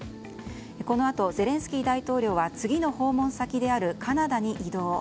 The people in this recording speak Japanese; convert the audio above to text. このあとゼレンスキー大統領は次の訪問先であるカナダへ移動。